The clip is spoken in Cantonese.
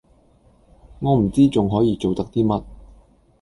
我唔知仲可以做得啲乜